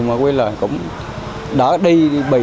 mà quên là cũng đã đi bị